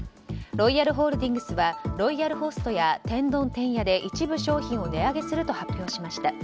ロイヤルホールディングスはロイヤルホストや一部商品を値上げすると発表しました。